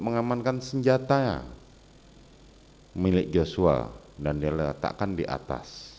mengamankan senjata milik joshua dan diletakkan di atas